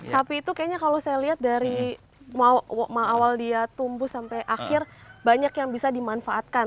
sapi itu kayaknya kalau saya lihat dari awal dia tumbuh sampai akhir banyak yang bisa dimanfaatkan